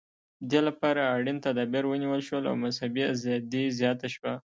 دې لپاره اړین تدابیر ونیول شول او مذهبي ازادي زیاته شوه.